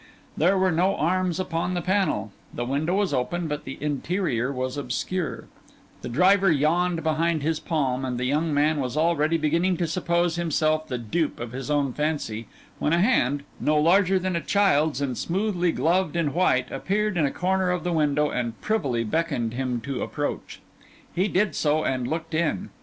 There were no arms upon the panel; the window was open, but the interior was obscure; the driver yawned behind his palm; and the young man was already beginning to suppose himself the dupe of his own fancy, when a hand, no larger than a child's and smoothly gloved in white, appeared in a corner of the window and privily beckoned him to approach. He did so, and looked in.